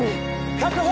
・確保！